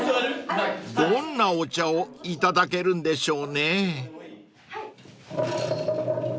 ［どんなお茶をいただけるんでしょうね］